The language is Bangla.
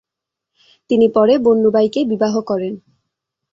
তিনি পরে বন্নুবাইকে বিবাহ করেন।